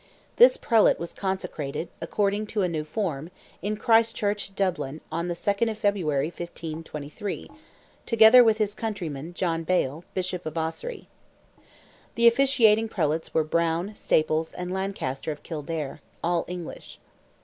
This Prelate was consecrated, according to a new form, in Christ Church, Dublin, on 2nd of February, 1523, together with his countryman, John Bale, Bishop of Ossory. The officiating Prelates were Browne, Staples, and Lancaster of Kildare—all English.